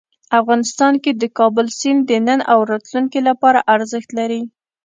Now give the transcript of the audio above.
افغانستان کې د کابل سیند د نن او راتلونکي لپاره ارزښت لري.